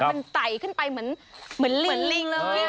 มันไตขึ้นไปเหมือนลิงเลย